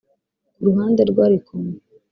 Ku ruhande rwe ariko